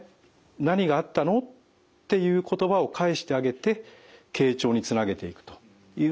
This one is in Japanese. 何があったの？」っていう言葉を返してあげて傾聴につなげていくというのがいい対応だと。